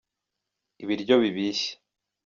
ibiryo bibishye.